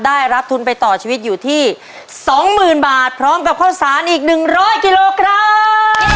ได้รับทุนไปต่อชีวิตอยู่ที่สองหมื่นบาทพร้อมกับข้อสารอีกหนึ่งร้อยกิโลกรัม